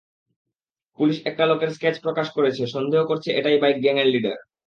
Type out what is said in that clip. Police একটা লোকের sketch প্রকাশ করেছে সন্দেহ করছে এটাই বাইক গ্যাংয়ের লিডার।